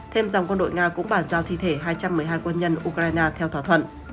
thêm dòng quân đội nga cũng bàn giao thi thể hai trăm một mươi hai quân nhân ukraine theo thỏa thuận